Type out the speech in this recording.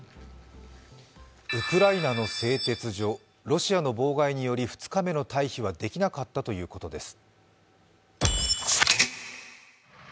ウクライナの製鉄所、ロシアの妨害により２日目の退避はできなかったということです。